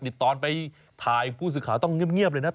นี่ตอนไปถ่ายผู้สื่อข่าวต้องเงียบเลยนะ